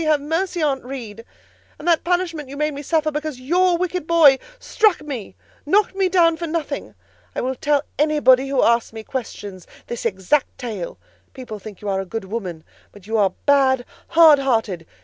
Have mercy, Aunt Reed!' And that punishment you made me suffer because your wicked boy struck me—knocked me down for nothing. I will tell anybody who asks me questions, this exact tale. People think you a good woman, but you are bad, hard hearted.